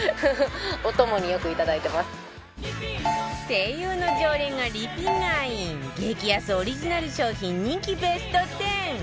ＳＥＩＹＵ の常連がリピ買い激安オリジナル商品人気ベスト１０